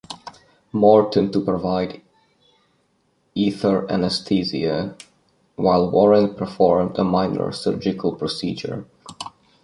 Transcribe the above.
Morton to provide ether anesthesia while Warren performed a minor surgical procedure.